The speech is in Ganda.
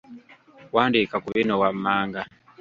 Wandiika ku bino wammanga.